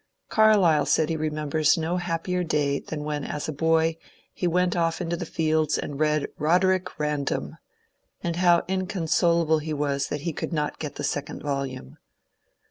Carlyle said he remembers no happier day than when as a boy he went off into the fields and read '^Boderick Ran dom ;" and how inconsolable he was that he could not get the second volume.